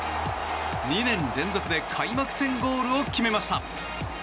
２年連続で開幕戦ゴールを決めました。